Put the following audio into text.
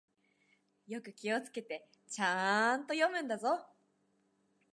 よく気をつけて、ちゃんと読むんだぞ。